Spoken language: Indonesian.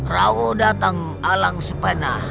rawu datang alang sepenah